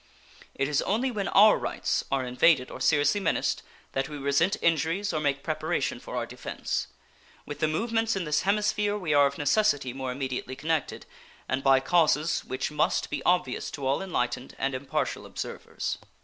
It is only when our rights are invaded or seriously menaced that we resent injuries or make preparation for our defense. With the movements in this hemisphere we are of necessity more immediately connected, and by causes which must be obvious to all enlightened and impartial observers.